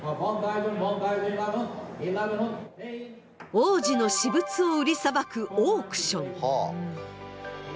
王子の私物を売りさばくオークション。